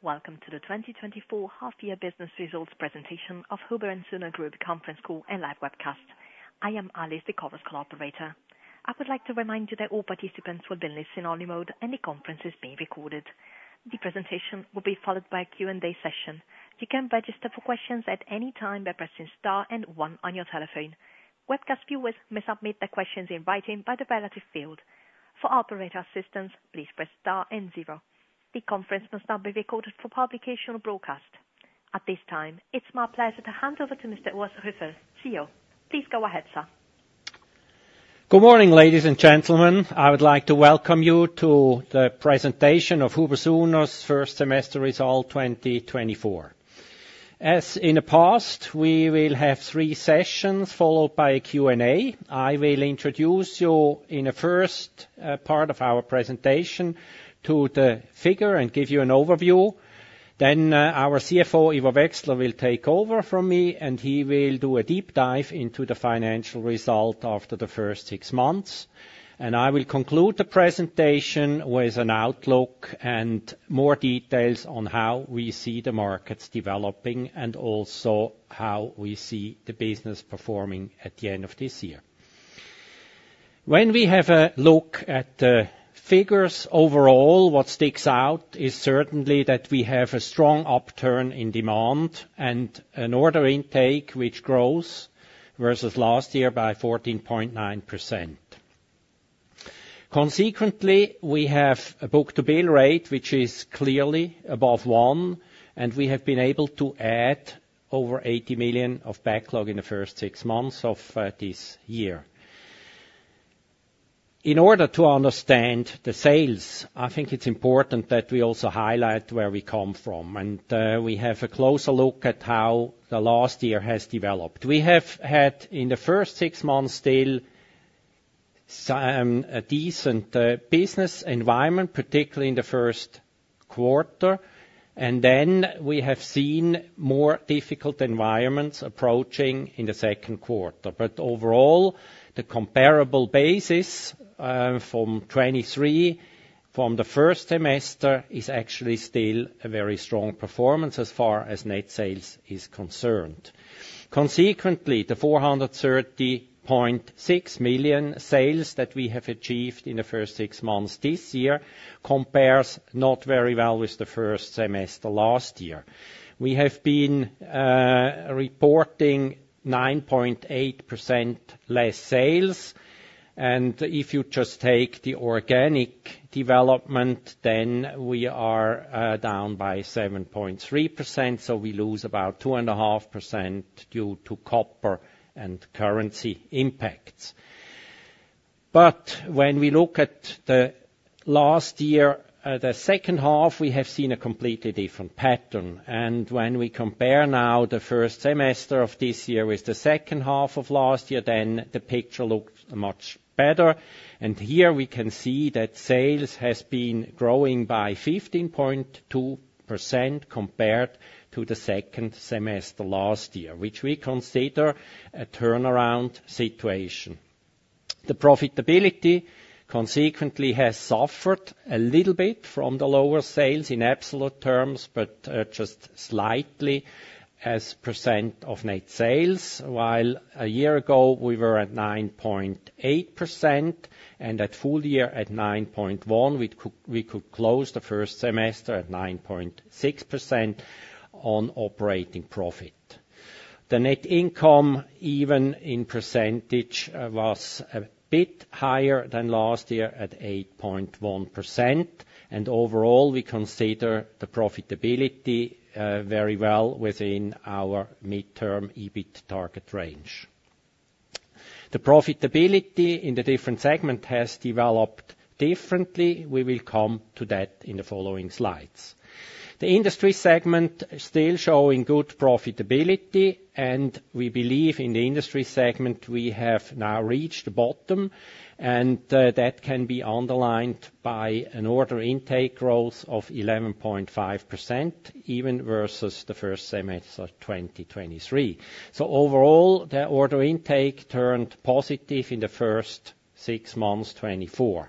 Welcome to the 2024 half-year business results presentation of Huber+Suhner Group conference call and live webcast. I am Alice, the conference call operator. I would like to remind you that all participants will be in listen-only mode, and the conference is being recorded. The presentation will be followed by a Q&A session. You can register for questions at any time by pressing star and one on your telephone. Webcast viewers may submit their questions in writing in the relevant field. For operator assistance, please press star and zero. The conference must not be recorded for publication or broadcast. At this time, it's my pleasure to hand over to Mr. Urs Ryffel, CEO. Please go ahead, sir. Good morning, ladies and gentlemen. I would like to welcome you to the presentation of Huber+Suhner's first semester result 2024. As in the past, we will have three sessions, followed by a Q&A. I will introduce you in the first part of our presentation to the figure and give you an overview. Then, our CFO, Ivo Wechsler, will take over from me, and he will do a deep dive into the financial result after the first six months. And I will conclude the presentation with an outlook and more details on how we see the markets developing, and also how we see the business performing at the end of this year. When we have a look at the figures overall, what sticks out is certainly that we have a strong upturn in demand and an order intake, which grows versus last year by 14.9%. Consequently, we have a book-to-bill rate, which is clearly above one, and we have been able to add over 80 million of backlog in the first six months of this year. In order to understand the sales, I think it's important that we also highlight where we come from, and we have a closer look at how the last year has developed. We have had, in the first six months, still a decent business environment, particularly in the first quarter, and then we have seen more difficult environments approaching in the second quarter. But overall, the comparable basis from 2023, from the first semester, is actually still a very strong performance as far as net sales is concerned. Consequently, the 430.6 million sales that we have achieved in the first six months this year compares not very well with the first semester last year. We have been reporting 9.8% less sales, and if you just take the organic development, then we are down by 7.3%, so we lose about 2.5% due to copper and currency impacts. But when we look at the last year, the second half, we have seen a completely different pattern. And when we compare now the first semester of this year with the second half of last year, then the picture looks much better. And here we can see that sales has been growing by 15.2% compared to the second semester last year, which we consider a turnaround situation. The profitability, consequently, has suffered a little bit from the lower sales in absolute terms, but just slightly as percent of net sales. While a year ago we were at 9.8% and at full year at 9.1%, we could close the first semester at 9.6% on operating profit. The net income, even in percentage, was a bit higher than last year at 8.1%, and overall, we consider the profitability very well within our midterm EBIT target range. The profitability in the different segment has developed differently. We will come to that in the following slides. The industry segment still showing good profitability, and we believe in the industry segment, we have now reached the bottom, and that can be underlined by an order intake growth of 11.5%, even versus the first half 2023. So overall, the order intake turned positive in the first six months 2024.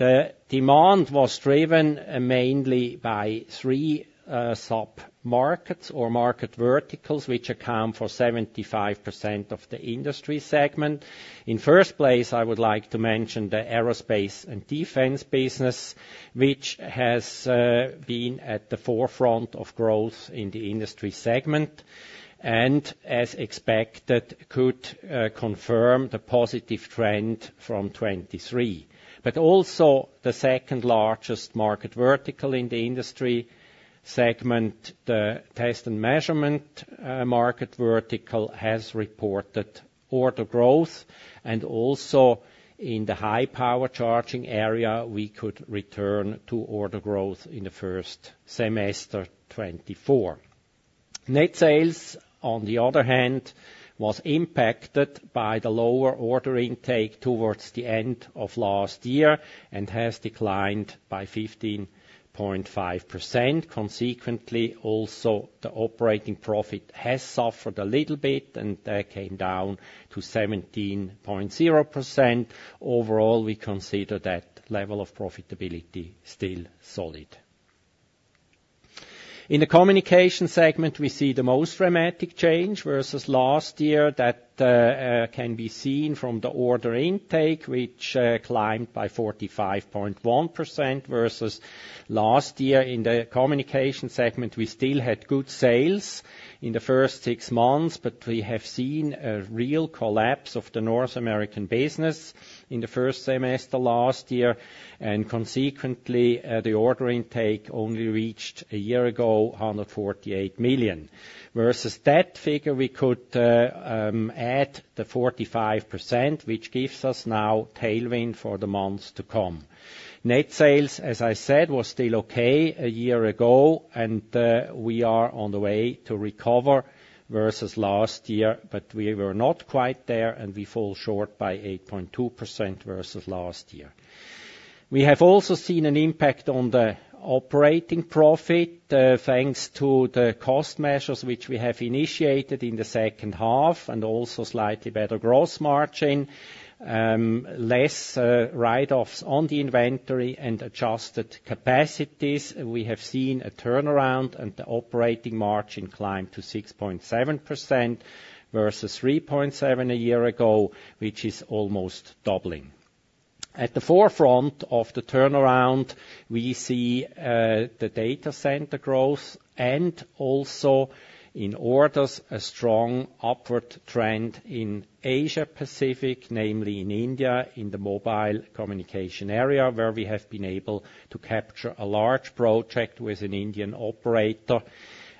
The demand was driven mainly by three sub markets or market verticals, which account for 75% of the industry segment. In first place, I would like to mention the aerospace and defense business, which has been at the forefront of growth in the industry segment, and as expected, could confirm the positive trend from 2023. But also the second largest market vertical in the industry segment, the test and measurement market vertical, has reported order growth. Also in the high power charging area, we could return to order growth in the first semester 2024. Net sales, on the other hand, was impacted by the lower order intake towards the end of last year and has declined by 15.5%. Consequently, also, the operating profit has suffered a little bit, and that came down to 17.0%. Overall, we consider that level of profitability still solid. In the communication segment, we see the most dramatic change versus last year that can be seen from the order intake, which climbed by 45.1% versus last year. In the communication segment, we still had good sales in the first six months, but we have seen a real collapse of the North American business in the first semester last year, and consequently, the order intake only reached, a year ago, 148 million. Versus that figure, we could add the 45%, which gives us now tailwind for the months to come. Net sales, as I said, was still okay a year ago, and we are on the way to recover versus last year, but we were not quite there, and we fall short by 8.2% versus last year. We have also seen an impact on the operating profit, thanks to the cost measures which we have initiated in the second half, and also slightly better gross margin, less write-offs on the inventory and adjusted capacities. We have seen a turnaround, and the operating margin climbed to 6.7% versus 3.7% a year ago, which is almost doubling. At the forefront of the turnaround, we see the data center growth and also in orders, a strong upward trend in Asia Pacific, namely in India, in the mobile communication area, where we have been able to capture a large project with an Indian operator,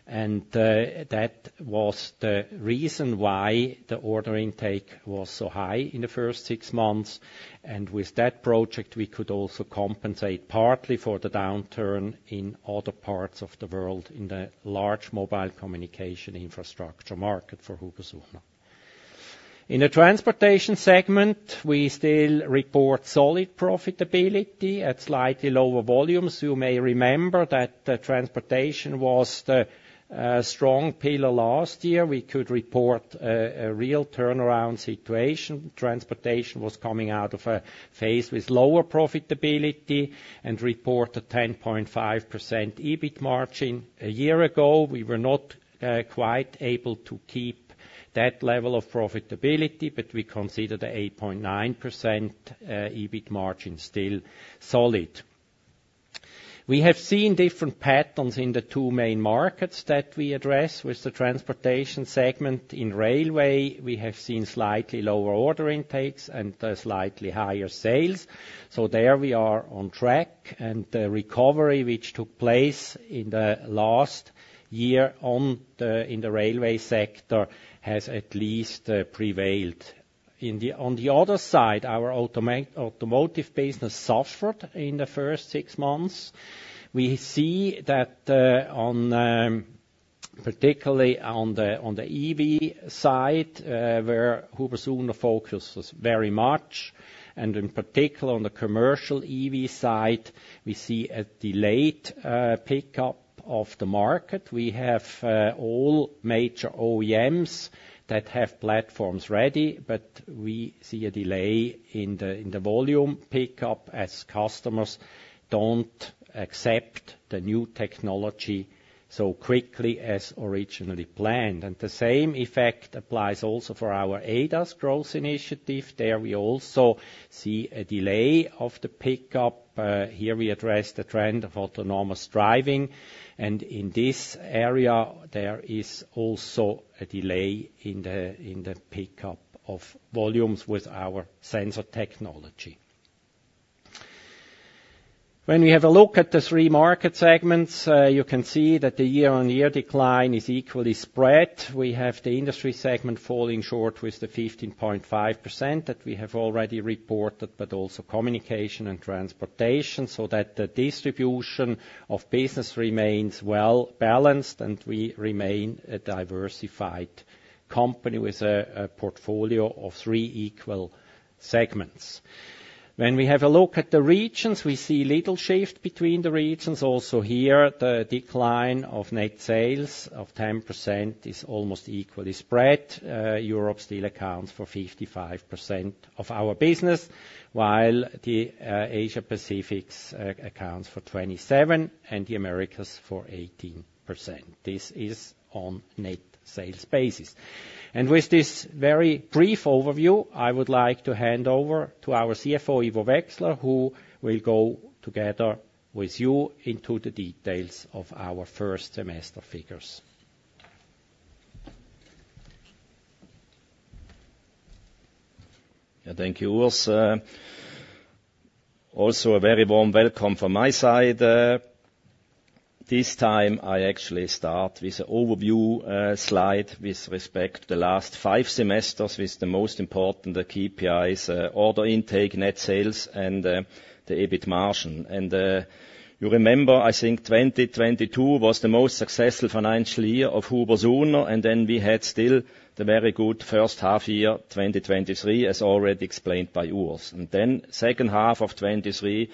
and that was the reason why the order intake was so high in the first six months, and with that project, we could also compensate partly for the downturn in other parts of the world, in the large mobile communication infrastructure market for Huber+Suhner. In the transportation segment, we still report solid profitability at slightly lower volumes. You may remember that the transportation was the strong pillar last year. We could report a real turnaround situation. Transportation was coming out of a phase with lower profitability and report a 10.5% EBIT margin. A year ago, we were not quite able to keep that level of profitability, but we consider the 8.9% EBIT margin still solid. We have seen different patterns in the two main markets that we address with the transportation segment. In railway, we have seen slightly lower order intakes and slightly higher sales, so there we are on track, and the recovery, which took place in the last year in the railway sector, has at least prevailed. On the other side, our automotive business suffered in the first six months. We see that, on, particularly on the, on the EV side, where Huber+Suhner focuses very much, and in particular, on the commercial EV side, we see a delayed, pickup of the market. We have, all major OEMs that have platforms ready, but we see a delay in the volume pickup as customers don't accept the new technology so quickly as originally planned. And the same effect applies also for our ADAS growth initiative. There we also see a delay of the pickup. Here we address the trend of autonomous driving, and in this area, there is also a delay in the pickup of volumes with our sensor technology. When we have a look at the three market segments, you can see that the year-on-year decline is equally spread. We have the industry segment falling short with the 15.5% that we have already reported, but also communication and transportation, so that the distribution of business remains well balanced, and we remain a diversified company with a, a portfolio of three equal segments. When we have a look at the regions, we see little shift between the regions. Also here, the decline of net sales of 10% is almost equally spread. Europe still accounts for 55% of our business, while the, Asia Pacific's, accounts for 27%, and the Americas for 18%. This is on net sales basis. With this very brief overview, I would like to hand over to our CFO, Ivo Wechsler, who will go together with you into the details of our first semester figures. Thank you, Urs. Also a very warm welcome from my side. This time I actually start with an overview slide with respect to the last five semesters, with the most important KPIs, order intake, net sales, and the EBIT margin, and you remember, I think 2022 was the most successful financial year of Huber+Suhner, and then we had still the very good first half year, 2023, as already explained by Urs, and then second half of 2023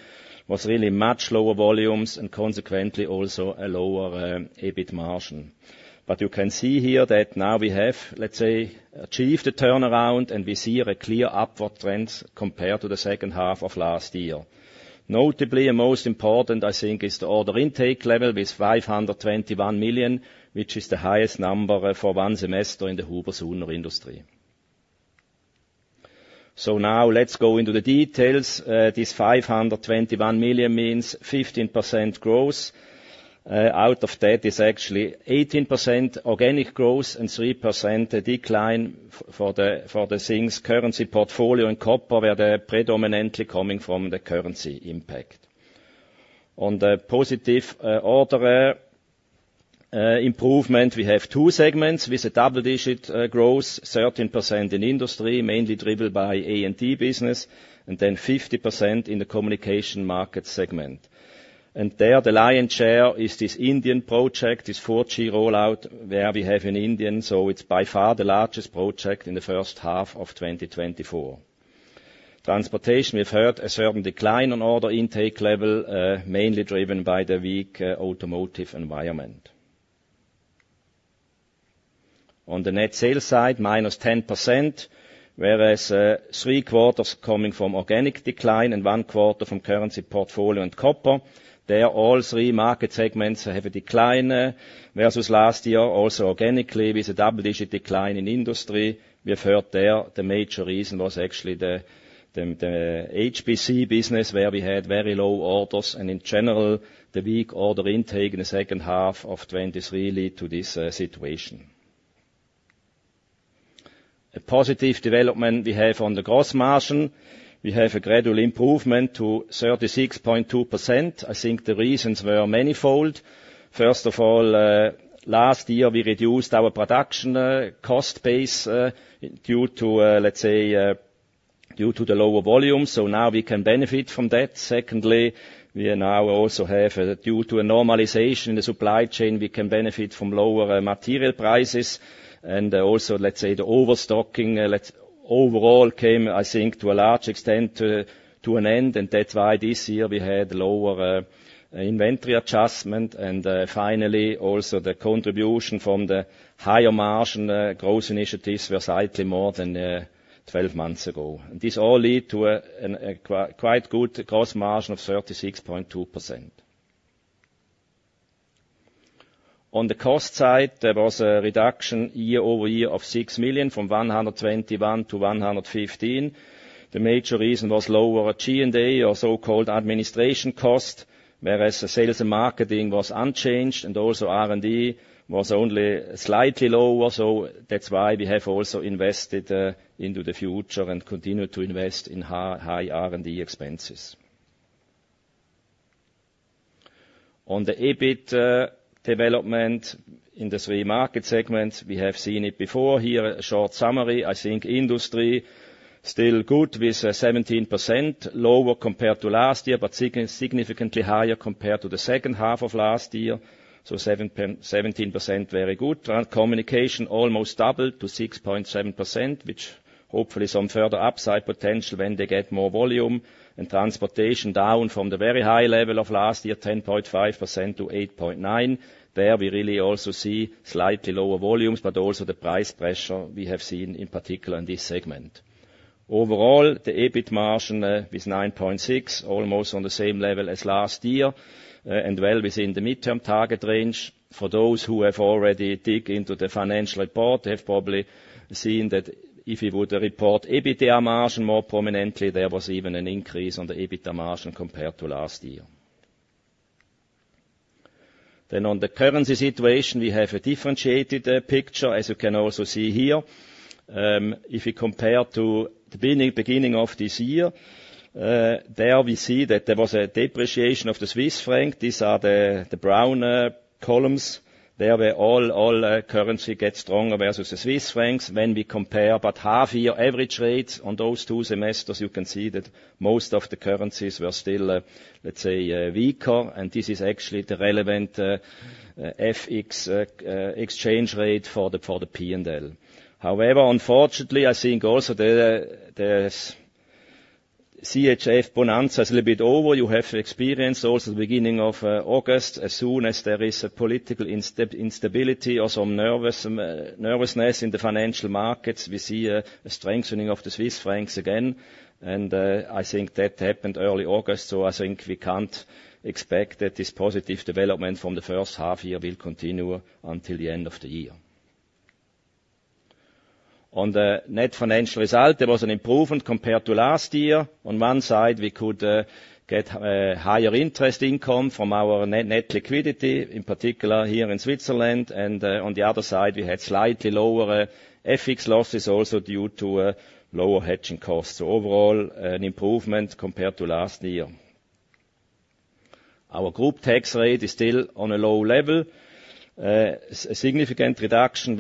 was really much lower volumes and consequently also a lower EBIT margin, but you can see here that now we have, let's say, achieved a turnaround, and we see a clear upward trend compared to the second half of last year. Notably, and most important, I think, is the order intake level with 521 million, which is the highest number for one semester in the Huber+Suhner history. So now let's go into the details. This 521 million means 15% growth. Out of that is actually 18% organic growth and 3% decline for the currency, portfolio and copper, where they are predominantly coming from the currency impact. On the positive order improvement, we have two segments with a double-digit growth, 13% in Industrial, mainly driven by A&D business, and then 50% in the Communication segment. And there, the lion's share is this Indian project, this 4G rollout, where we have in India, so it's by far the largest project in the first half of 2024. Transportation, we've heard a certain decline in order intake level, mainly driven by the weak automotive environment. On the net sales side, minus 10%, whereas three quarters coming from organic decline and one quarter from currency portfolio and copper. There, all three market segments have a decline versus last year, also organically, with a double-digit decline in industry. We have heard there the major reason was actually the HPC business, where we had very low orders, and in general, the weak order intake in the second half of 2023 lead to this situation. A positive development we have on the gross margin. We have a gradual improvement to 36.2%. I think the reasons were manifold. First of all, last year, we reduced our production cost base due to, let's say, due to the lower volume, so now we can benefit from that. Secondly, we now also have, due to a normalization in the supply chain, we can benefit from lower material prices. And also, let's say, the overstocking overall came, I think, to a large extent, to an end, and that's why this year we had lower inventory adjustment. And, finally, also the contribution from the higher margin growth initiatives were slightly more than 12 months ago. This all lead to a quite good gross margin of 36.2%. On the cost side, there was a reduction year-over-year of 6 million, from 121-115. The major reason was lower G&A, or so-called administration cost, whereas the sales and marketing was unchanged, and also R&D was only slightly lower. So that's why we have also invested into the future and continue to invest in high R&D expenses. On the EBIT development in the three market segments, we have seen it before. Here, a short summary. I think industry still good, with 17% lower compared to last year, but significantly higher compared to the second half of last year. So 17%, very good. And communication almost doubled to 6.7%, which hopefully some further upside potential when they get more volume. And transportation down from the very high level of last year, 10.5%-8.9%. There, we really also see slightly lower volumes, but also the price pressure we have seen in particular in this segment. Overall, the EBIT margin is 9.6%, almost on the same level as last year, and well within the midterm target range. For those who have already dig into the financial report, have probably seen that if we would report EBITDA margin more prominently, there was even an increase on the EBITDA margin compared to last year. Then on the currency situation, we have a differentiated picture, as you can also see here. If we compare to the beginning of this year, there we see that there was a depreciation of the Swiss franc. These are the brown columns. There were all currencies get stronger versus the Swiss francs. When we compare the half year average rates on those two semesters, you can see that most of the currencies were still, let's say, weaker, and this is actually the relevant FX exchange rate for the P&L. However, unfortunately, I think also the CHF bonanza is a little bit over. You have experienced also the beginning of August, as soon as there is a political instability or some nervousness in the financial markets, we see a strengthening of the Swiss francs again, and I think that happened early August. So I think we can't expect that this positive development from the first half year will continue until the end of the year. On the net financial result, there was an improvement compared to last year. On one side, we could get higher interest income from our net liquidity, in particular here in Switzerland, and on the other side, we had slightly lower FX losses, also due to a lower hedging cost. So overall, an improvement compared to last year. Our group tax rate is still on a low level, a significant reduction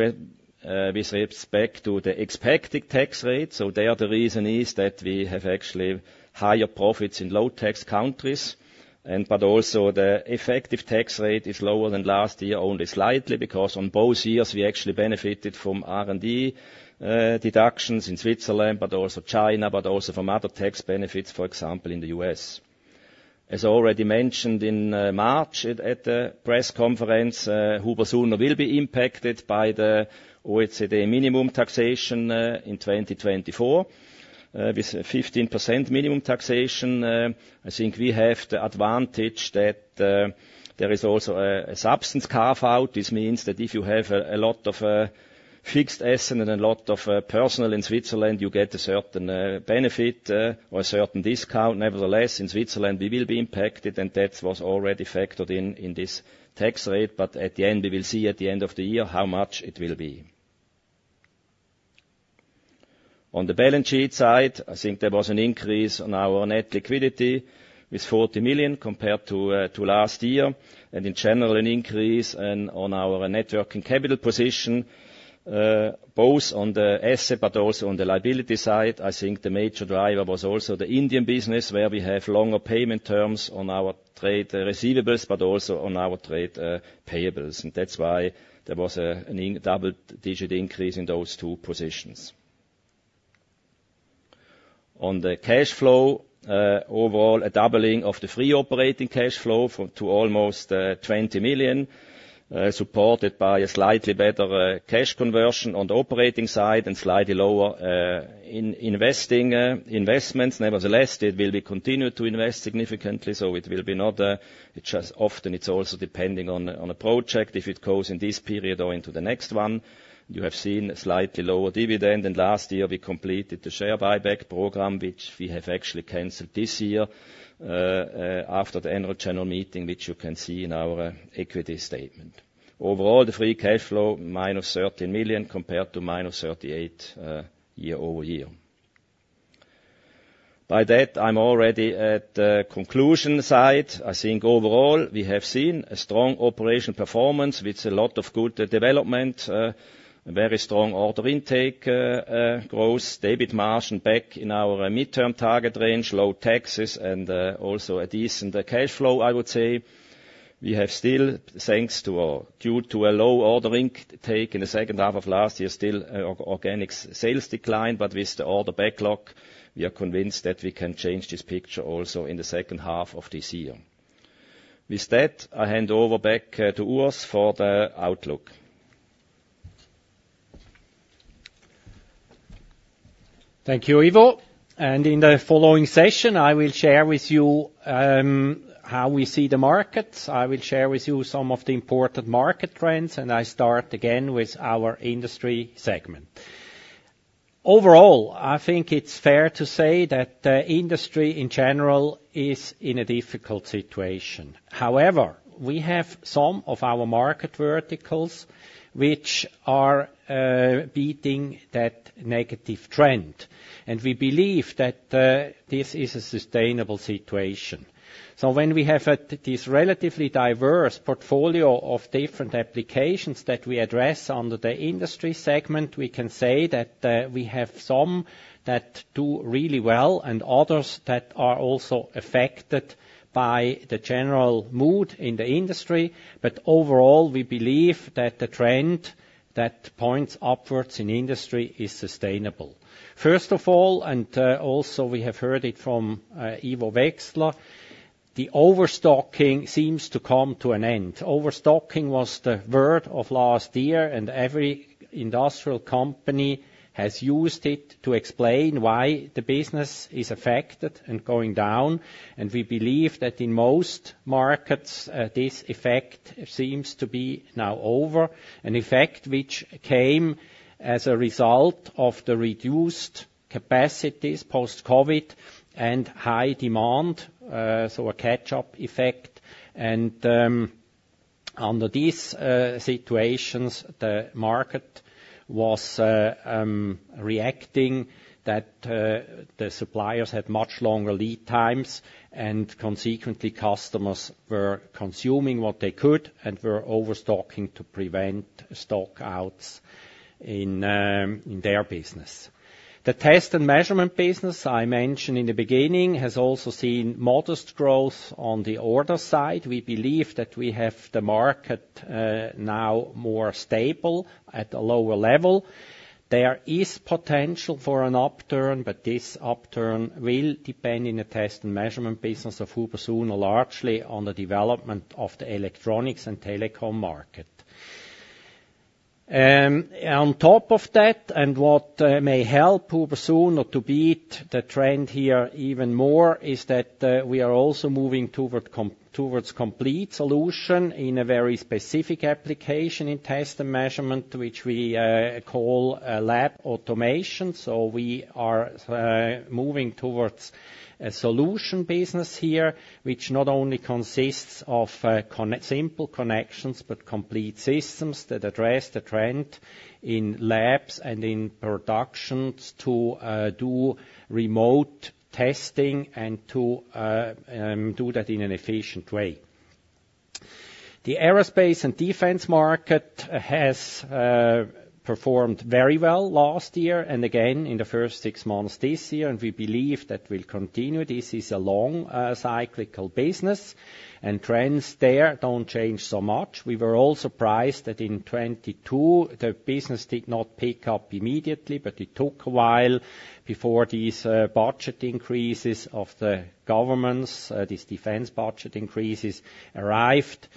with respect to the expected tax rate. So there, the reason is that we have actually higher profits in low tax countries. And, but also, the effective tax rate is lower than last year, only slightly, because on both years, we actually benefited from R&D deductions in Switzerland, but also China, but also from other tax benefits, for example, in the U.S. As already mentioned in March at the press conference, Huber+Suhner will be impacted by the OECD minimum taxation in 2024 with a 15% minimum taxation. I think we have the advantage that there is also a substance carve-out. This means that if you have a lot of fixed asset and a lot of personnel in Switzerland, you get a certain benefit or a certain discount. Nevertheless, in Switzerland, we will be impacted, and that was already factored in this tax rate. But at the end, we will see at the end of the year how much it will be. On the balance sheet side, I think there was an increase on our net liquidity with 40 million compared to last year, and in general, an increase on our net working capital position, both on the asset, but also on the liability side. I think the major driver was also the Indian business, where we have longer payment terms on our trade receivables, but also on our trade payables. And that's why there was a double-digit increase in those two positions. On the cash flow, overall, a doubling of the free operating cash flow from to almost 20 million, supported by a slightly better cash conversion on the operating side and slightly lower in investing investments. Nevertheless, it will be continued to invest significantly, so it will be not, it's just often it's also depending on a, on a project, if it goes in this period or into the next one. You have seen a slightly lower dividend, and last year, we completed the share buyback program, which we have actually canceled this year, after the Annual General Meeting, which you can see in our equity statement. Overall, the free cash flow, minus 13 million compared to minus 38, year-over-year. By that, I'm already at the conclusion slide. I think overall, we have seen a strong operational performance with a lot of good development, very strong order intake, growth, EBIT margin back in our midterm target range, low taxes, and also a decent cash flow, I would say. We have still, due to a low order intake in the second half of last year, still organic sales decline, but with the order backlog, we are convinced that we can change this picture also in the second half of this year. With that, I hand over back to Urs for the outlook. Thank you, Ivo. In the following session, I will share with you how we see the markets. I will share with you some of the important market trends, and I start again with our industry segment. Overall, I think it's fair to say that industry, in general, is in a difficult situation. However, we have some of our market verticals which are beating that negative trend, and we believe that this is a sustainable situation. When we have at this relatively diverse portfolio of different applications that we address under the industry segment, we can say that we have some that do really well and others that are also affected by the general mood in the industry. Overall, we believe that the trend that points upwards in industry is sustainable. First of all, also we have heard it from Ivo Wechsler. The overstocking seems to come to an end. Overstocking was the word of last year, and every industrial company has used it to explain why the business is affected and going down, and we believe that in most markets, this effect seems to be now over. An effect which came as a result of the reduced capacities post-COVID and high demand, so a catch-up effect. Under these situations, the market was reacting that the suppliers had much longer lead times, and consequently, customers were consuming what they could and were overstocking to prevent stock-outs in their business. The test and measurement business, I mentioned in the beginning, has also seen modest growth on the order side. We believe that we have the market now more stable at a lower level. There is potential for an upturn, but this upturn will depend on the test and measurement business of Huber+Suhner, largely on the development of the electronics and telecom market. On top of that, and what may help Huber+Suhner to beat the trend here even more, is that we are also moving towards complete solution in a very specific application in test and measurement, which we call lab automation. So we are moving towards a solution business here, which not only consists of simple connections, but complete systems that address the trend in labs and in productions to do remote testing and to do that in an efficient way. The aerospace and defense market has performed very well last year, and again, in the first six months this year, and we believe that will continue. This is a long, cyclical business, and trends there don't change so much. We were all surprised that in 2022, the business did not pick up immediately, but it took a while before these budget increases of the governments, these defense budget increases arrived,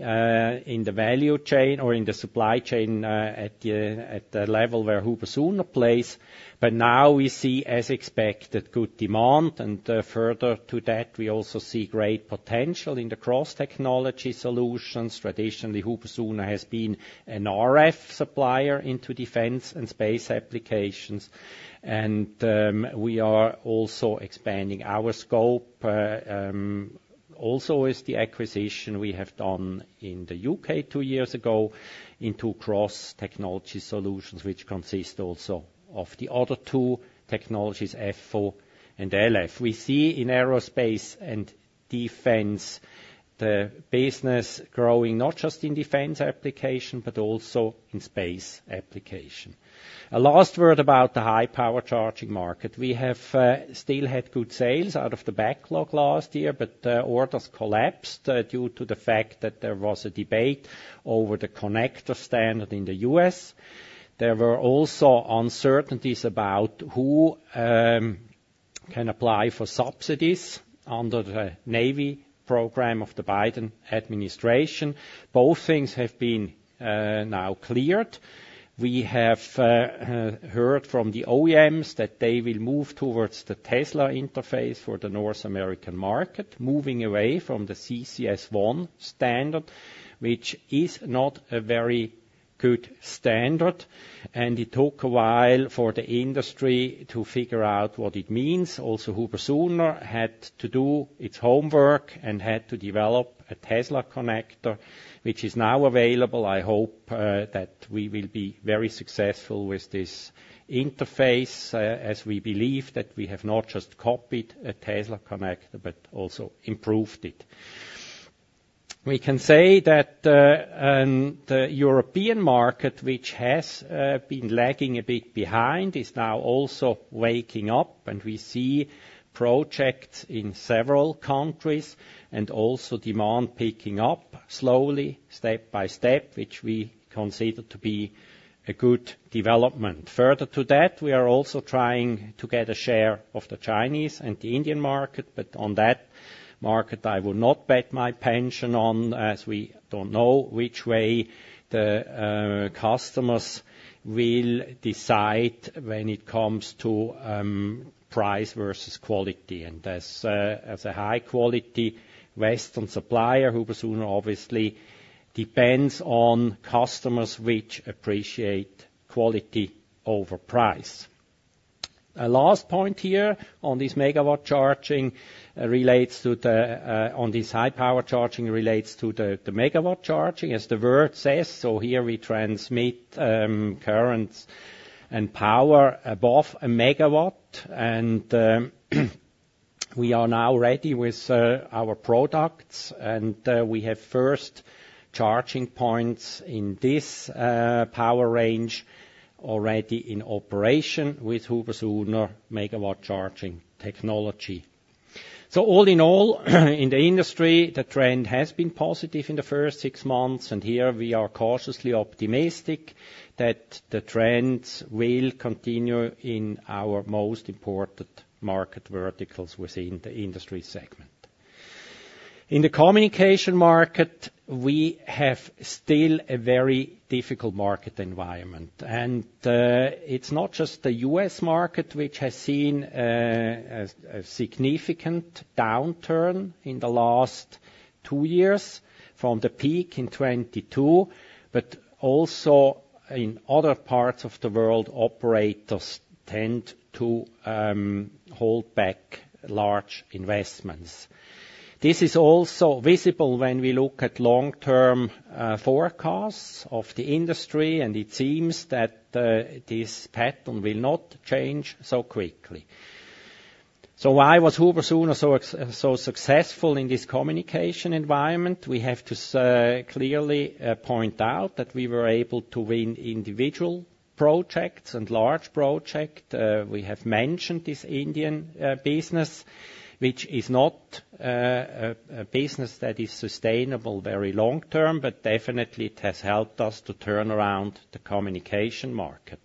in the value chain or in the supply chain, at the level where Huber+Suhner plays. But now we see, as expected, good demand, and, further to that, we also see great potential in the cross-technology solutions. Traditionally, Huber+Suhner has been an RF supplier into defense and space applications, and, we are also expanding our scope. Also with the acquisition we have done in the U.K. two years ago into cross-technology solutions, which consist also of the other two technologies, fiber optics and LF. We see in aerospace and defense, the business growing, not just in defense application, but also in space application. A last word about the high-power charging market. We have still had good sales out of the backlog last year, but orders collapsed due to the fact that there was a debate over the connector standard in the U.S. There were also uncertainties about who can apply for subsidies under the NEVI program of the Biden administration. Both things have been now cleared. We have heard from the OEMs that they will move towards the Tesla interface for the North American market, moving away from the CCS1 standard, which is not a very good standard, and it took a while for the industry to figure out what it means. Also, Huber+Suhner had to do its homework and had to develop a Tesla connector, which is now available. I hope that we will be very successful with this interface, as we believe that we have not just copied a Tesla connector, but also improved it. We can say that, and the European market, which has been lagging a bit behind, is now also waking up, and we see projects in several countries, and also demand picking up slowly, step by step, which we consider to be a good development. Further to that, we are also trying to get a share of the Chinese and the Indian market, but on that market, I will not bet my pension on, as we don't know which way the customers will decide when it comes to price versus quality. And as a high quality western supplier, Huber+Suhner obviously depends on customers which appreciate quality over price. A last point here on this megawatt charging relates to the megawatt charging, as the word says. So here we transmit currents and power above a megawatt, and we are now ready with our products, and we have first charging points in this power range already in operation with Huber+Suhner megawatt charging technology. All in all, in the industry, the trend has been positive in the first six months, and here we are cautiously optimistic that the trends will continue in our most important market verticals within the industry segment. In the communication market, we have still a very difficult market environment, and it's not just the U.S. market, which has seen a significant downturn in the last two years from the peak in 2022, but also in other parts of the world, operators tend to hold back large investments. This is also visible when we look at long-term forecasts of the industry, and it seems that this pattern will not change so quickly. So why was Huber+Suhner so successful in this communication environment? We have to clearly point out that we were able to win individual projects and large project. We have mentioned this Indian business, which is not a business that is sustainable very long term, but definitely it has helped us to turn around the communication market.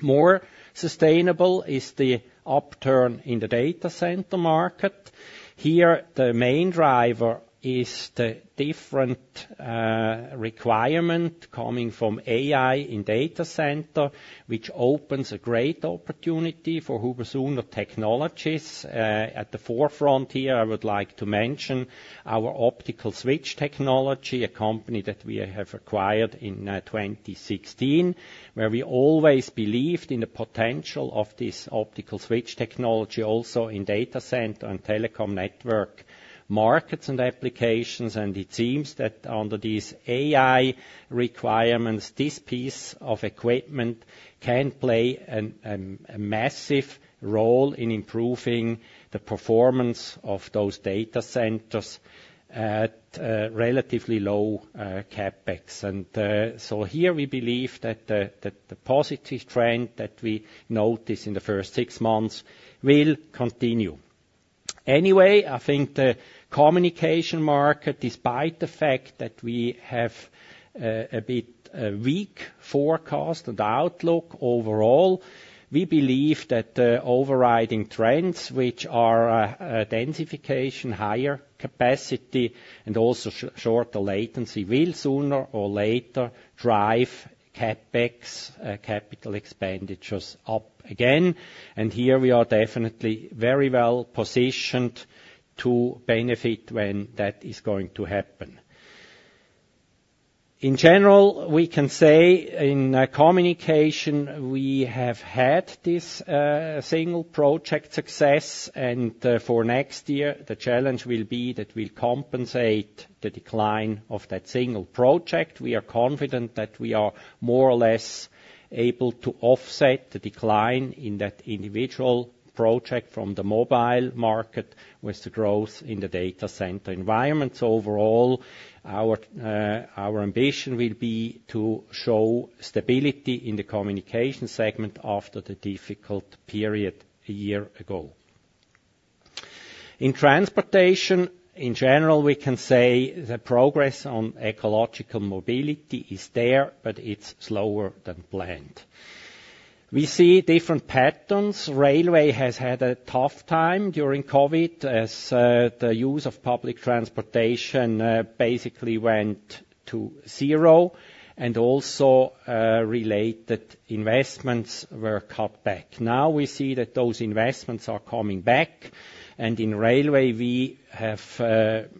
More sustainable is the upturn in the data center market. Here, the main driver is the different requirement coming from AI in data center, which opens a great opportunity for Huber+Suhner technologies. At the forefront here, I would like to mention our optical switch technology, a company that we have acquired in 2016, where we always believed in the potential of this optical switch technology, also in data center and telecom network markets and applications. It seems that under these AI requirements, this piece of equipment can play a massive role in improving the performance of those data centers at relatively low CapEx. Here we believe that the positive trend that we notice in the first six months will continue. Anyway, I think the communication market, despite the fact that we have a bit weak forecast and outlook overall, we believe that the overriding trends, which are densification, higher capacity, and also shorter latency, will sooner or later drive CapEx capital expenditures up again. Here we are definitely very well positioned to benefit when that is going to happen. In general, we can say in communication, we have had this single project success, and for next year, the challenge will be that we compensate the decline of that single project. We are confident that we are more or less able to offset the decline in that individual project from the mobile market with the growth in the data center environments. Overall, our ambition will be to show stability in the communication segment after the difficult period a year ago. In transportation, in general, we can say the progress on ecological mobility is there, but it's slower than planned. We see different patterns. Railway has had a tough time during COVID, as the use of public transportation basically went to zero, and also related investments were cut back. Now we see that those investments are coming back, and in railway, we are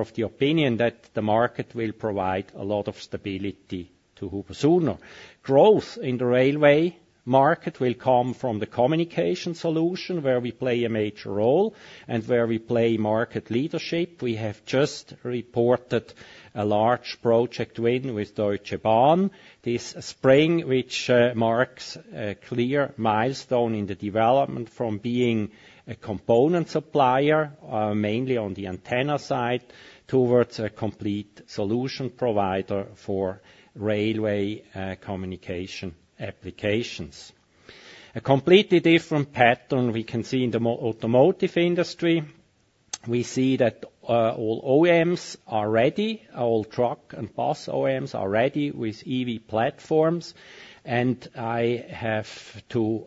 of the opinion that the market will provide a lot of stability to Huber+Suhner. Growth in the railway market will come from the communication solution, where we play a major role and where we play market leadership. We have just reported a large project win with Deutsche Bahn this spring, which marks a clear milestone in the development from being a component supplier, mainly on the antenna side, towards a complete solution provider for railway communication applications. A completely different pattern we can see in the automotive industry. We see that all OEMs are ready, all truck and bus OEMs are ready with EV platforms. And I have to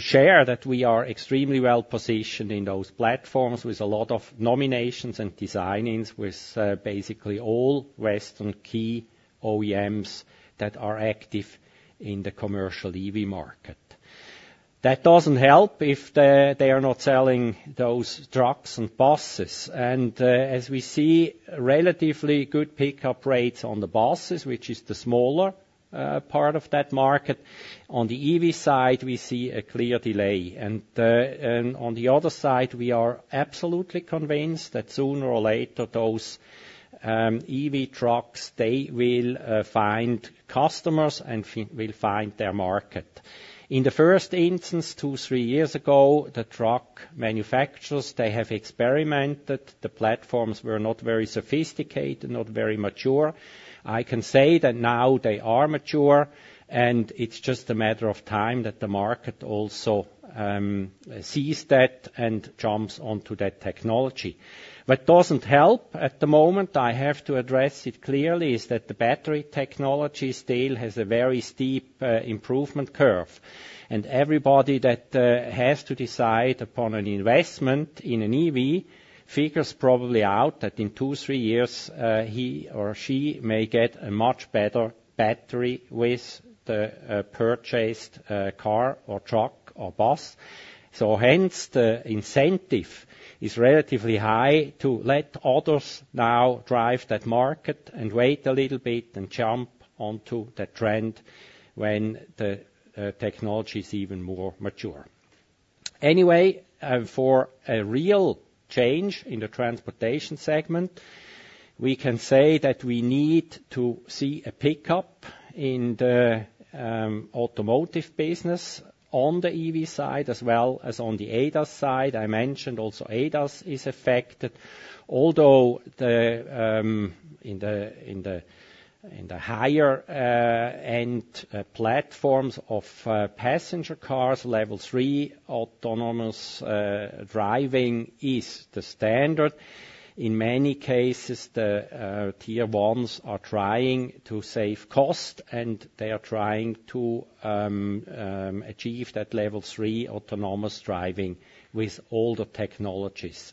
share that we are extremely well positioned in those platforms with a lot of nominations and design-ins, with basically all Western key OEMs that are active in the commercial EV market. That doesn't help if they are not selling those trucks and buses. As we see relatively good pickup rates on the buses, which is the smaller part of that market, on the EV side, we see a clear delay. On the other side, we are absolutely convinced that sooner or later, those EV trucks, they will find customers and will find their market. In the first instance, two, three years ago, the truck manufacturers, they have experimented. The platforms were not very sophisticated, not very mature. I can say that now they are mature, and it's just a matter of time that the market also sees that and jumps onto that technology. What doesn't help at the moment, I have to address it clearly, is that the battery technology still has a very steep improvement curve. Everybody that has to decide upon an investment in an EV figures probably out that in two, three years, he or she may get a much better battery with the purchased car or truck or bus. So hence, the incentive is relatively high to let others now drive that market and wait a little bit and jump onto that trend when the technology is even more mature. Anyway, for a real change in the transportation segment, we can say that we need to see a pickup in the automotive business on the EV side, as well as on the ADAS side. I mentioned also ADAS is affected. Although in the higher end platforms of passenger cars, level three autonomous driving is the standard. In many cases, the tier ones are trying to save cost, and they are trying to achieve that level three autonomous driving with older technologies.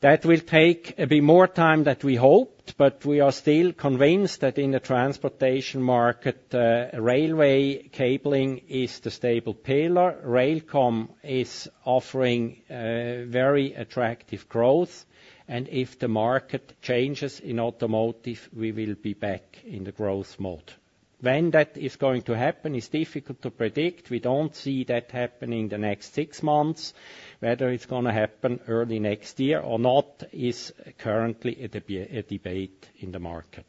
That will take a bit more time than we hoped, but we are still convinced that in the transportation market, railway cabling is the stable pillar. Railcom is offering very attractive growth, and if the market changes in automotive, we will be back in the growth mode. When that is going to happen is difficult to predict. We don't see that happening in the next six months. Whether it's gonna happen early next year or not is currently a debate in the market.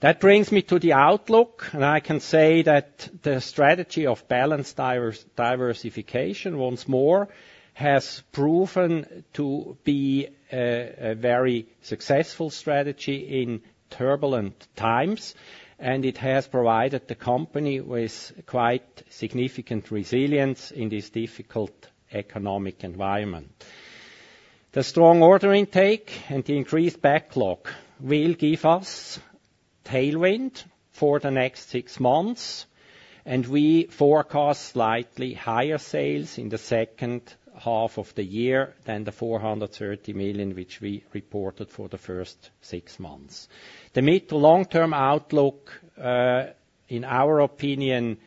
That brings me to the outlook, and I can say that the strategy of balanced diversification, once more, has proven to be a very successful strategy in turbulent times, and it has provided the company with quite significant resilience in this difficult economic environment. The strong order intake and the increased backlog will give us tailwind for the next six months, and we forecast slightly higher sales in the second half of the year than the 430 million, which we reported for the first six months. The mid to long-term outlook, in our opinion,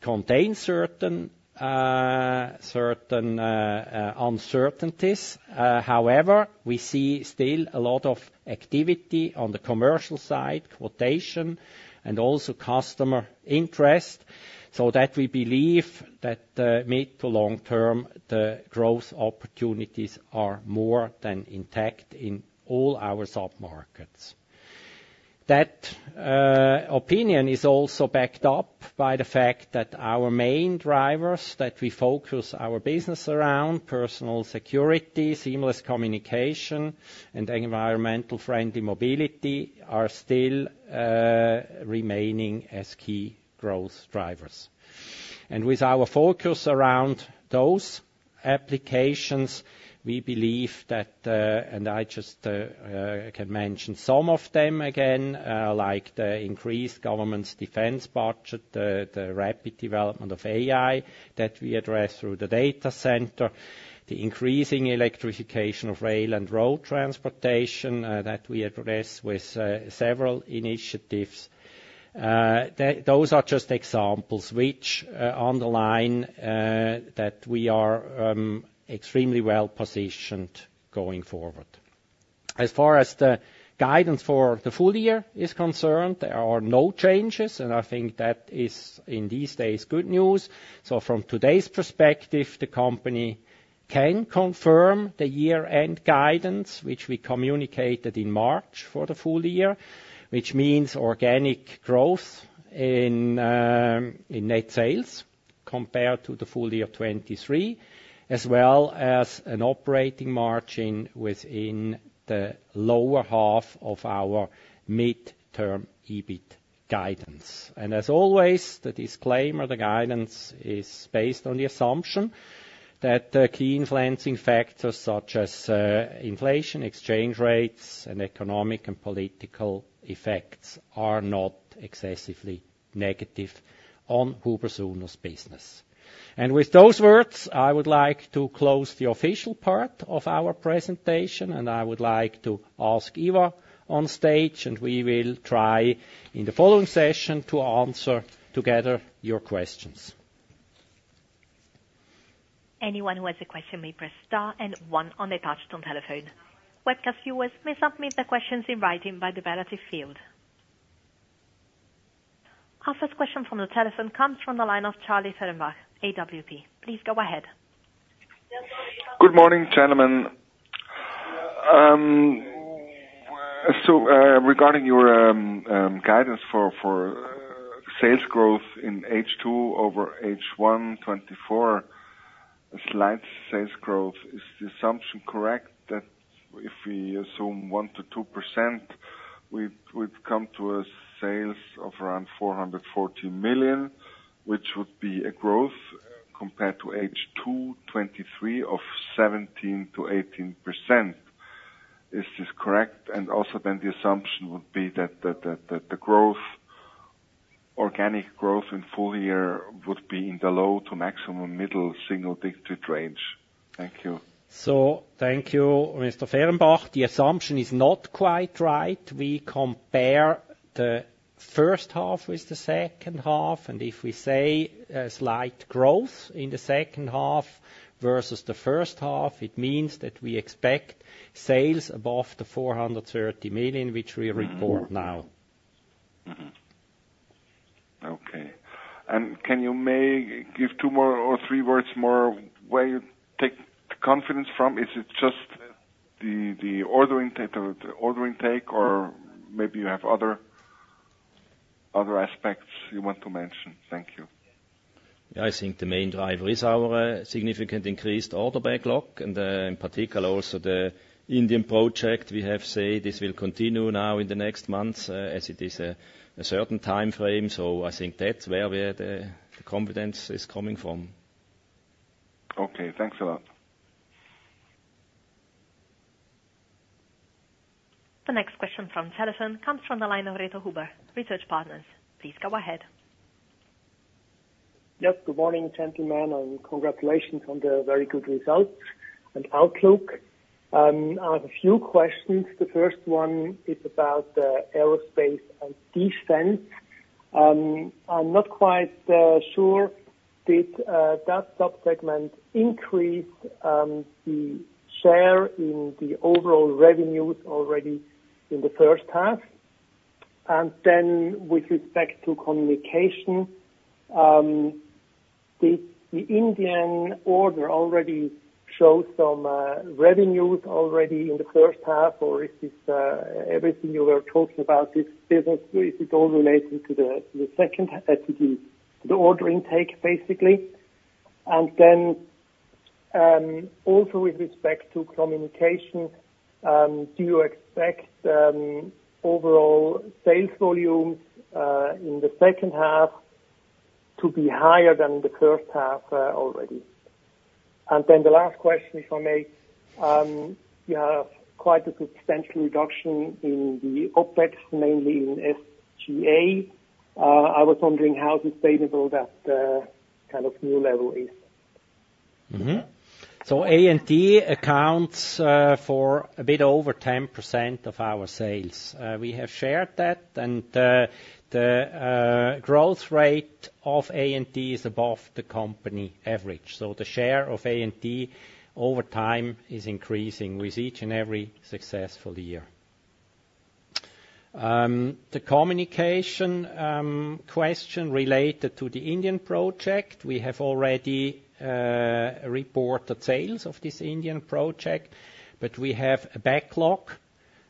contains certain uncertainties. However, we see still a lot of activity on the commercial side, quotation, and also customer interest, so that we believe that, mid to long term, the growth opportunities are more than intact in all our submarkets. That opinion is also backed up by the fact that our main drivers, that we focus our business around, personal security, seamless communication, and environmental friendly mobility, are still remaining as key growth drivers. And with our focus around those applications, we believe that and I just can mention some of them again, like the increased government's defense budget, the rapid development of AI that we address through the data center, the increasing electrification of rail and road transportation, that we address with several initiatives. Those are just examples which underline that we are extremely well-positioned going forward. As far as the guidance for the full year is concerned, there are no changes, and I think that is, in these days, good news. From today's perspective, the company can confirm the year-end guidance, which we communicated in March for the full year. Which means organic growth in net sales compared to the full year 2023, as well as an operating margin within the lower half of our mid-term EBIT guidance. As always, the disclaimer, the guidance is based on the assumption that the key influencing factors, such as inflation, exchange rates, and economic and political effects, are not excessively negative on Huber+Suhner's business. With those words, I would like to close the official part of our presentation, and I would like to ask Ivo on stage, and we will try in the following session to answer together your questions. Anyone who has a question may press star and one on the touch-tone telephone. Webcast viewers may submit their questions in writing by the relevant field. Our first question from the telephone comes from the line of Charlie Fehrenbach, AWP. Please go ahead. Good morning, gentlemen. So, regarding your guidance for sales growth in H2 over H1 2024, a slight sales growth. Is the assumption correct that if we assume 1%-2%, we come to sales of around 440 million, which would be a growth compared to H2 2023 of 17%-18%. Is this correct? And also then the assumption would be that the growth, organic growth in full year would be in the low to maximum middle single digits range. Thank you. So thank you, Mr. Fehrenbach. The assumption is not quite right. We compare the first half with the second half, and if we say a slight growth in the second half versus the first half, it means that we expect sales above 430 million, which we report now. Mm-hmm. Okay, and can you make... Give two more or three words more, where you take the confidence from? Is it just the order intake, or maybe you have other aspects you want to mention? Thank you. I think the main driver is our significant increased order backlog, and in particular, also the Indian project. We have said this will continue now in the next months, as it is a certain time frame. So I think that's where the confidence is coming from. Okay, thanks a lot. The next question from telephone comes from the line of Reto Huber, Research Partners. Please go ahead. Yes, good morning, gentlemen, and congratulations on the very good results and outlook. I have a few questions. The first one is about aerospace and defense. I'm not quite sure, did that sub-segment increase the share in the overall revenues already in the first half? And then with respect to communication, did the Indian order already show some revenues already in the first half, or is this everything you were talking about, this business, is it all related to the second to the order intake, basically? And then also with respect to communication, do you expect overall sales volumes in the second half to be higher than the first half, already? And then the last question, if I may, you have quite a substantial reduction in the OpEx, mainly in SGA. I was wondering how sustainable that kind of new level is? A&D accounts for a bit over 10% of our sales. We have shared that, and the growth rate of A&D is above the company average. The share of A&D over time is increasing with each and every successful year. The communication question related to the Indian project, we have already reported sales of this Indian project, but we have a backlog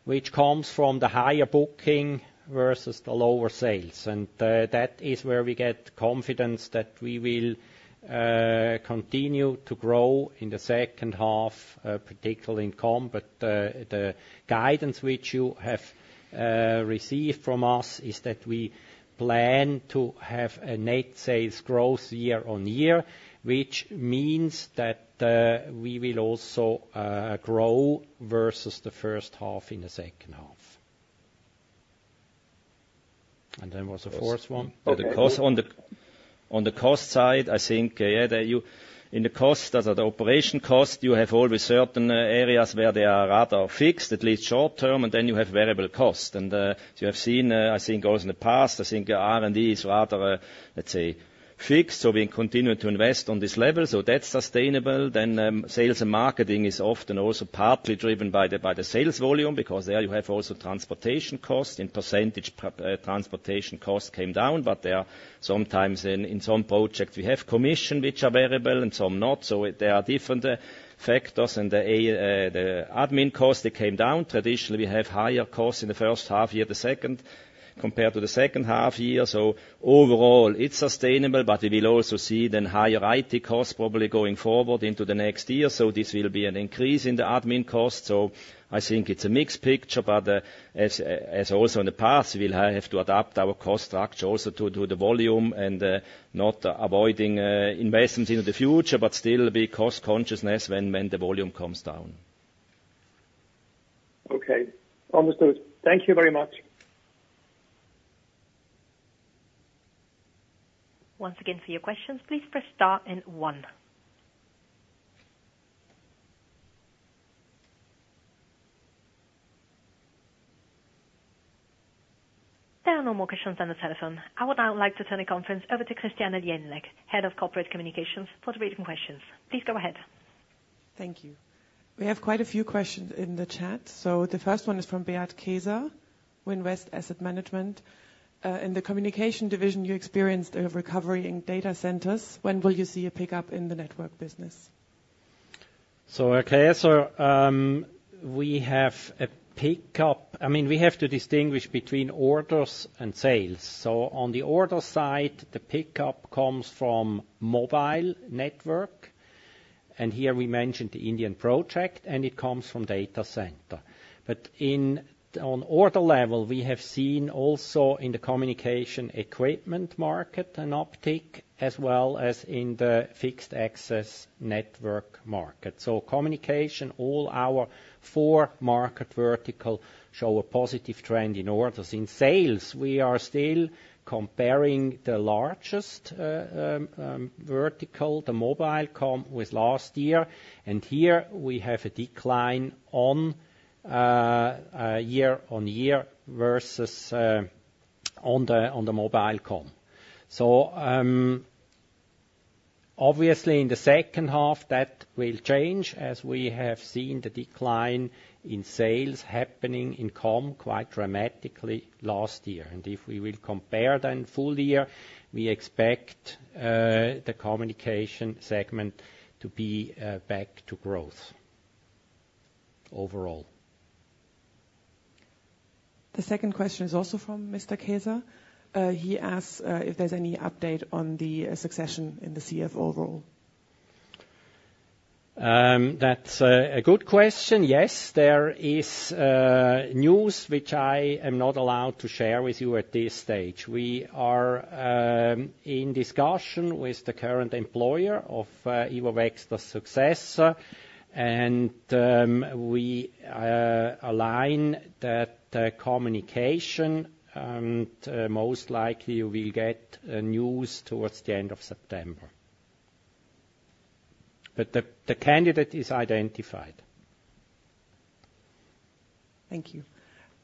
which comes from the higher booking versus the lower sales. That is where we get confidence that we will continue to grow in the second half, particularly in comm. The guidance which you have received from us is that we plan to have a net sales growth year on year, which means that we will also grow versus the first half in the second half. There was a fourth one? Okay. On the cost side, I think, yeah, in the cost, as at the operating cost, you have always certain areas where they are rather fixed, at least short term, and then you have variable cost. You have seen, I think, also in the past, I think R&D is rather, let's say, fixed, so we continue to invest on this level, so that's sustainable. Then, sales and marketing is often also partly driven by the sales volume, because there you have also transportation costs. In percentage, transportation costs came down, but they are sometimes in some projects, we have commissions, which are variable and some not. So there are different factors. The admin costs, they came down. Traditionally, we have higher costs in the first half year, the second, compared to the second half year. So overall, it's sustainable, but we will also see then higher IT costs probably going forward into the next year. So this will be an increase in the admin costs. So I think it's a mixed picture, but, as also in the past, we'll have to adapt our cost structure also to the volume and, not avoiding, investments into the future, but still be cost consciousness when the volume comes down. Okay, understood. Thank you very much. Once again, for your questions, please press star and one. There are no more questions on the telephone. I would now like to turn the conference over to Christiane Jänicke, Head of Corporate Communications, for the written questions. Please go ahead. Thank you. We have quite a few questions in the chat. So the first one is from Beat Kaeser, Winvest Asset Management. In the communication division, you experienced a recovery in data centers. When will you see a pickup in the network business? So, Kaeser, we have a pickup. I mean, we have to distinguish between orders and sales. So on the order side, the pickup comes from mobile network, and here we mentioned the Indian project, and it comes from data center. But on order level, we have seen also in the communication equipment market an uptick, as well as in the fixed access network market. So communication, all our four market vertical show a positive trend in orders. In sales, we are still comparing the largest vertical, the mobile comm, with last year, and here we have a decline year on year versus on the mobile comm. So, obviously, in the second half, that will change, as we have seen the decline in sales happening in comm quite dramatically last year. If we will compare the full year, we expect the communication segment to be back to growth, overall. The second question is also from Mr. Kaeser. He asks if there's any update on the succession in the CFO role. That's a good question. Yes, there is news which I am not allowed to share with you at this stage. We are in discussion with the current employer of Ivo Wechsler, the successor, and we align that communication, and most likely you will get a news towards the end of September. But the candidate is identified. Thank you.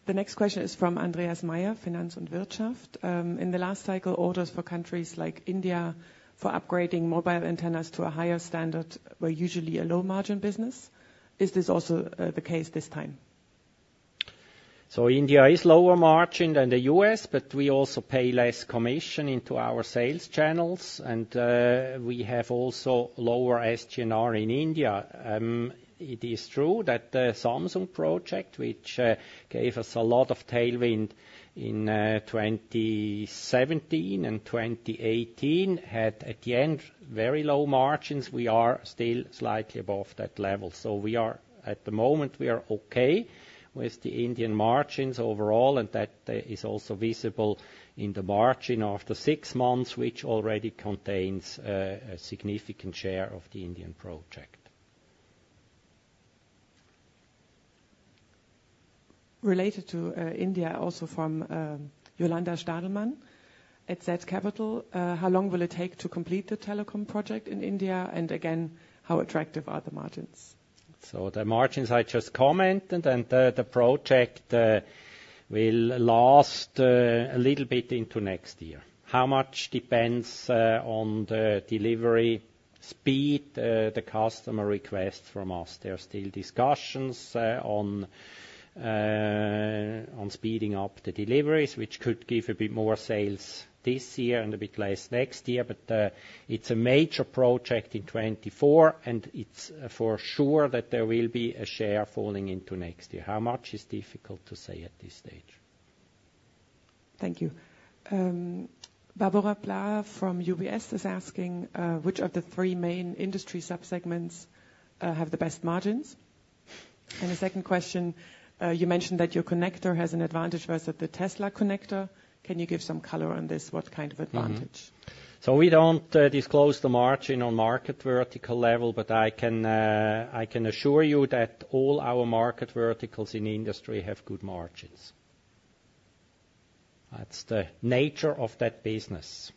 The next question is from Andreas Meyer, Finanz und Wirtschaft. In the last cycle, orders for countries like India, for upgrading mobile antennas to a higher standard, were usually a low-margin business. Is this also the case this time? So India is lower margin than the U.S., but we also pay less commission into our sales channels, and we have also lower SG&A in India. It is true that the Samsung project, which gave us a lot of tailwind in 2017 and 2018, had, at the end, very low margins. We are still slightly above that level. So we are, at the moment, we are okay with the Indian margins overall, and that is also visible in the margin after six months, which already contains a significant share of the Indian project. Related to India, also from Jolanda Stadelmann at Zürcher Kantonalbank. How long will it take to complete the telecom project in India? And again, how attractive are the margins? So the margins I just commented, and the project will last a little bit into next year. How much depends on the delivery speed the customer requests from us. There are still discussions on speeding up the deliveries, which could give a bit more sales this year and a bit less next year. But it's a major project in 2024, and it's for sure that there will be a share falling into next year. How much is difficult to say at this stage. Thank you. Barbora Blaha from UBS is asking which of the three main industry sub-segments have the best margins? And the second question, you mentioned that your connector has an advantage versus the Tesla connector. Can you give some color on this? What kind of advantage? Mm-hmm. So we don't disclose the margin on market vertical level, but I can, I can assure you that all our market verticals in industry have good margins. That's the nature of that business.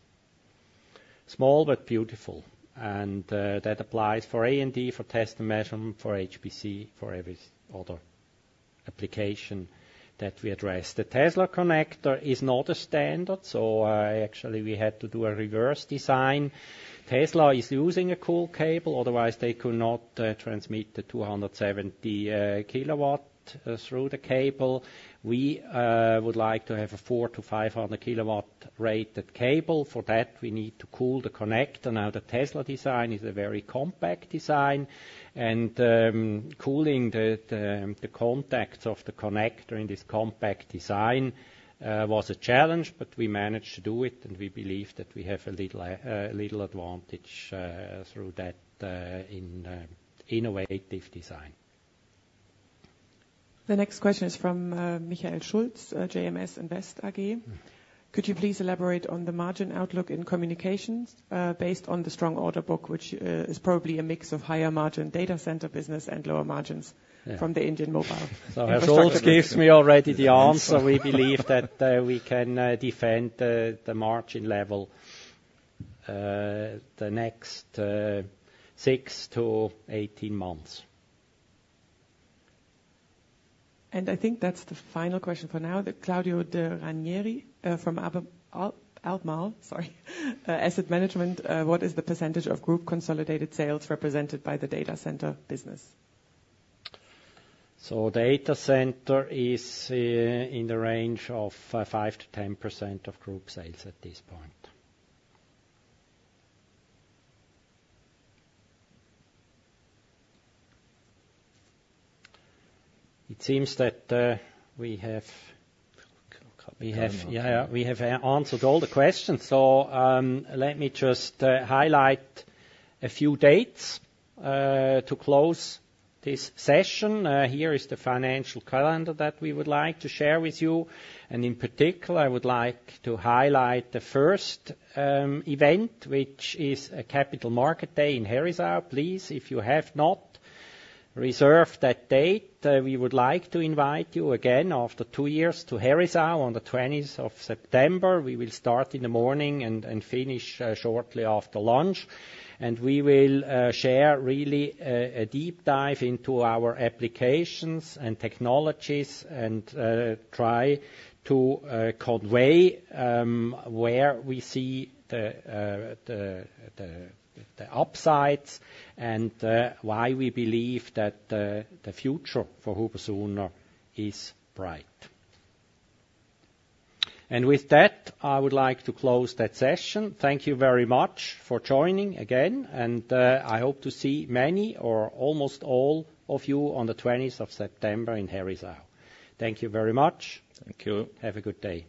Small but beautiful, and that applies for A&D, for test and measurement, for HPC, for every other application that we address. The Tesla connector is not a standard, so actually, we had to do a reverse design. Tesla is using a cool cable, otherwise they could not transmit the 270 kilowatt through the cable. We would like to have a 400-500 kilowatt-rated cable. For that, we need to cool the connector. Now, the Tesla design is a very compact design, and cooling the contacts of the connector in this compact design was a challenge, but we managed to do it, and we believe that we have a little advantage through that innovative design. The next question is from, Michael Schulze, JMS Invest AG. Mm-hmm. Could you please elaborate on the margin outlook in communications, based on the strong order book, which is probably a mix of higher margin data center business and lower margins- Yeah from the Indian mobile? Schulze gives me already the answer. We believe that we can defend the margin level the next six to 18 months. And I think that's the final question for now to Claudio De Ranieri from Albris Asset Management: What is the percentage of group consolidated sales represented by the data center business? Data center is in the range of 5%-10% of group sales at this point. It seems that we have, we have answered all the questions, so, let me just, highlight a few dates, to close this session. Here is the financial calendar that we would like to share with you, and in particular, I would like to highlight the first, event, which is a Capital Market Day in Herisau. Please, if you have not reserved that date, we would like to invite you again after two years to Herisau on the 20th of September. We will start in the morning and finish, shortly after lunch. And we will, share really, a deep dive into our applications and technologies and, try to, convey, where we see the upsides and, why we believe that the future for Huber+Suhner is bright. And with that, I would like to close that session. Thank you very much for joining again, and, I hope to see many or almost all of you on the 20th of September in Herisau. Thank you very much. Thank you. Have a good day.